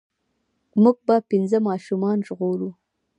مونږ به پنځه ماشومان ژغورو.